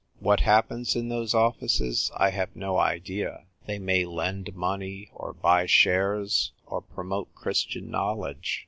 What happens in those offices I have no idea : they may lend money, or buy shares, or promote Christian know ledge.